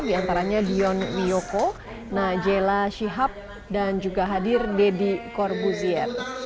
diantaranya dion miyoko najela shihab dan juga hadir deddy corbuzier